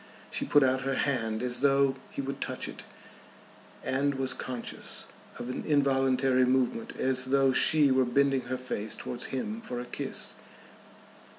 She put out her hand as though he would touch it, and was conscious of an involuntary movement as though she were bending her face towards him for a kiss.